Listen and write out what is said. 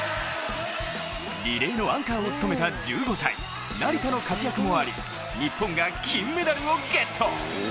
リレーのアンカーを務めた１５歳、成田の活躍もあり日本が金メダルをゲット。